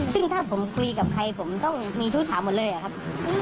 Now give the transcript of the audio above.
ซึ่งถ้าผมคุยกับใครผมต้องมีชู้สาวหมดเลยอะครับ